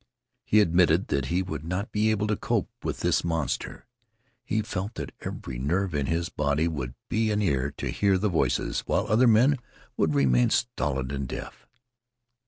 He admitted that he would not be able to cope with this monster. He felt that every nerve in his body would be an ear to hear the voices, while other men would remain stolid and deaf.